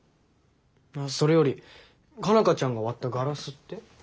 それより佳奈花ちゃんが割ったガラスって？